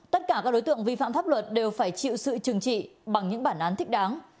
tất cả các đối tượng vi phạm pháp luật đều phải chịu sự trừng trị bằng những bản án thích đáng